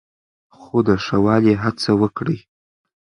خو د ښه والي هڅه وکړئ.